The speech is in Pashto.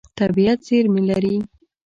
طبیعت زېرمې لري.